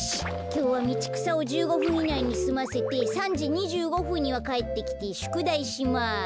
きょうはみちくさを１５ふんいないにすませて３じ２５ふんにはかえってきてしゅくだいします。